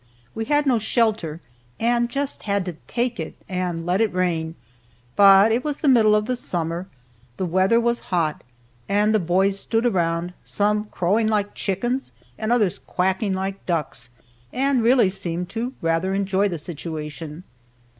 We had no shelter, and just had to take it, and "let it rain." But it was in the middle of the summer, the weather was hot, and the boys stood around, some crowing like chickens, and others quacking like ducks, and really seemed to rather enjoy the situation.